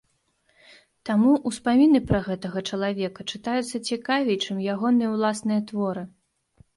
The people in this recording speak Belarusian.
Таму ўспаміны пра гэтага чалавека чытаюцца цікавей, чым ягоныя ўласныя творы.